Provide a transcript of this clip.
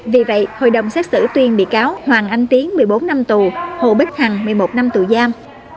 vì vậy hội đồng xét xử tuyên bị cáo hoàng anh tiến một mươi bốn năm tù hồ bích hằng một mươi một năm tù giam